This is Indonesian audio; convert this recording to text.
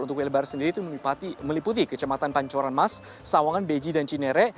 untuk welbar sendiri itu meliputi kecamatan pancoran mas sawangan beji dan cinere